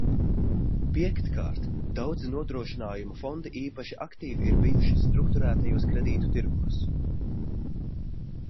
Piektkārt, daudzi nodrošinājuma fondi īpaši aktīvi ir bijuši strukturētajos kredītu tirgos.